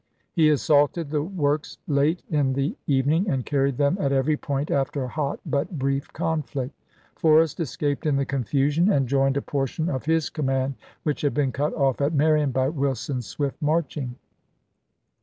He assaulted the works late i i the evening and carried them at every point after a hot but brief conflict. Forrest escaped in the confusion and joined a portion of his command which had been cut off at Marion by Wilson's swift marching.